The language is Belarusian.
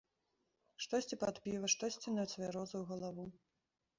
Штосьці пад піва, штосьці на цвярозую галаву.